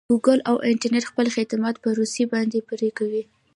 ګوګل او انټرنټ خپل خدمات په روسې باندې پري کوي.